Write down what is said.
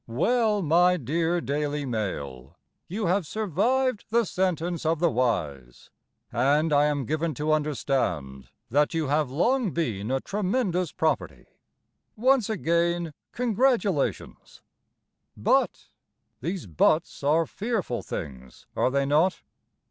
Well, My dear Daily Mail, You have survived the sentence of the wise, And I am given to understand That you have long been a tremendous property. Once again Congratulations! BUT (These buts are fearful things, Are they not?)